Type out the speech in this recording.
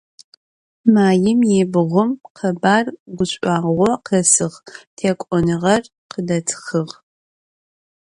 Maim yibğum khebar guş'uağo khesığ, têk'onığer khıdetxığ.